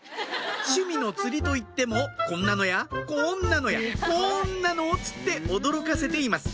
趣味の釣りといってもこんなのやこんなのやこんなのを釣って驚かせています